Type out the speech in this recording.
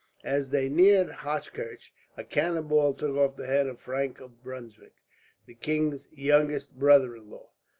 As they neared Hochkirch a cannonball took off the head of Frank of Brunswick, the king's youngest brother in law.